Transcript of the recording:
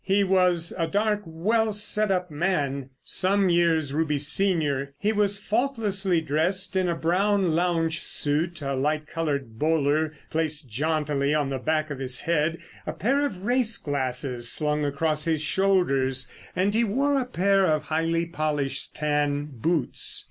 He was a dark, well set up man, some years Ruby's senior. He was faultlessly dressed in a brown lounge suit, a light coloured bowler placed jauntily on the back of his head, a pair of race glasses slung across his shoulders, and he wore a pair of highly polished tan boots.